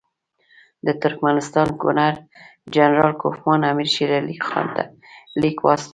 د ترکمنستان ګورنر جنرال کوفمان امیر شېر علي خان ته لیک واستاوه.